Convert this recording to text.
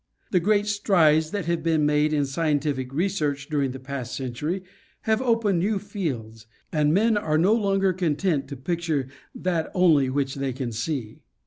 The great strides that have been made in scientific research during the past century have opened new fields, and men are no longer con tent to picture that only which they can see.